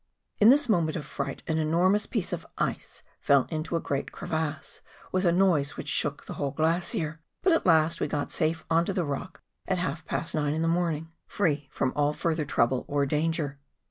In this moment of fright an enormous piece of ice fell into a great crevasse, with a noise which shook tlie whole glacier. But at last we got safe on to the rock at half past nine in the morning free from 14 MOUNTAIN ADVENTURES. all further trouble or clanger.